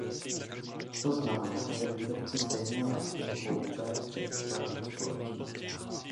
To znamená, že výrobci stejné látky mohou údaje předkládat společně.